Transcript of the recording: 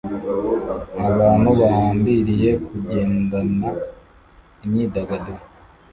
abantu bahambiriye kugendana imyidagaduro